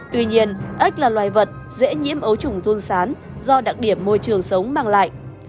tuy nhiên ếch là loài vật dễ nhiễm ấu trùng tuôn sán do đặc điểm môi trường sống mang lại